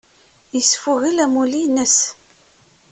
Yesfugel amulli-nnes.